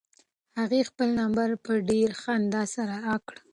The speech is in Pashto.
هغې خپل نمبر په ډېرې خندا سره راکړ.